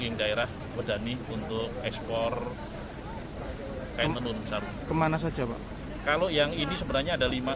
yang daerah wudani untuk ekspor kain menuncar kemana saja kalau yang ini sebenarnya ada lima